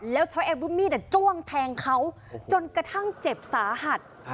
แล้วช้าแอบด้วยมีดจะจ้วงแทงเขาจนกระทั่งเจ็บสาหัส